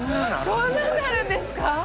こんなんなるんですか！